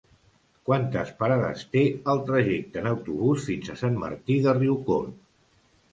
Quantes parades té el trajecte en autobús fins a Sant Martí de Riucorb?